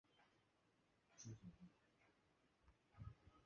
赫斯提亚等同于罗马神话中的维斯塔。